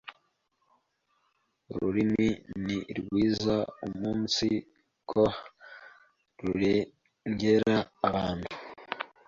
ururimi ni rwiza umunsiko rurengera abantu